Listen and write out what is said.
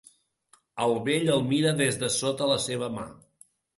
El vell el mira des de sota la seva mà.